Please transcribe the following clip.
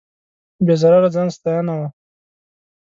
بې ضرره ځان ستاینه وه.